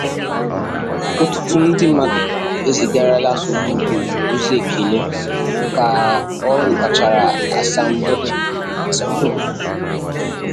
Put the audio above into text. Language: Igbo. Ọtụtụ Ndị Mmadụ Ezigarala Soludo Ozi Ekele, Ka Ọ Natachara Asambodo